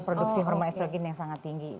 produksi hormo estrogen yang sangat tinggi